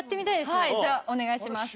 はいじゃあお願いします。